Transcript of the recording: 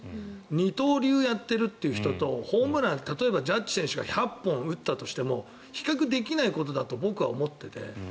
二刀流やってるって人とホームラン、例えばジャッジ選手が１００本打ったとしても比較できないことだと僕は思ってて。